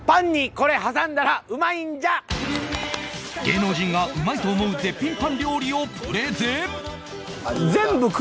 芸能人がうまいと思う絶品パン料理をプレゼン